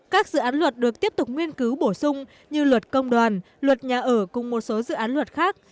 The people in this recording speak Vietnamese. các dự án luật được tiếp tục nguyên cứu bổ sung như luật công đoàn luật nhà ở cùng một số dự án luật khác